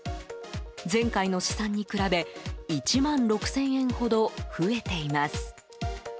前回の試算に比べ１万６０００円ほど増えています。